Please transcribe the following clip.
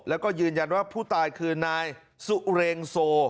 แล้วก็ยืนยันว่าผู้ตายคือนายสุเรงโซ